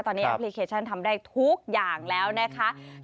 ตอนนี้แอปพลิเคชันทำได้ทุกอย่างแล้วนะคะ